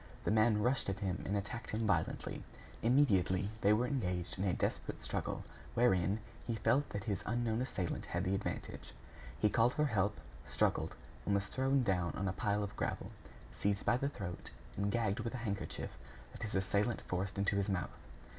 The man rushed at him and attacked him violently. Immediately, they were engaged in a desperate struggle, wherein he felt that his unknown assailant had the advantage. He called for help, struggled, and was thrown down on a pile of gravel, seized by the throat, and gagged with a handkerchief that his assailant forced into his mouth.